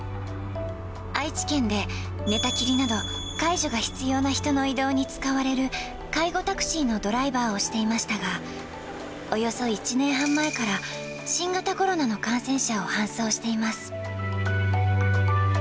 愛知県で、寝たきりなど、介助が必要な人の移動に使われる、介護タクシーのドライバーをしていましたが、およそ１年半前から、新型コロナの感染者を搬送しています。